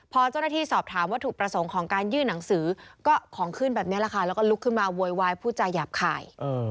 พอเจ้าหน้าที่สอบถามวัตถุประสงค์ของการยื่นหนังสือก็ของขึ้นแบบนี้แหละค่ะแล้วก็ลุกขึ้นมาโวยวายผู้จาหยาบคาย